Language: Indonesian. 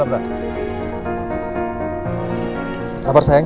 kamu kenapa sayang